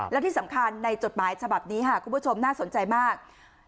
และที่สำคัญในจดหมายฉบับนี้ค่ะคุณผู้ชมน่าสนใจมาก